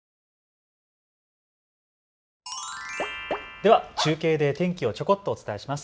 では中継で天気をちょこっとお伝えします。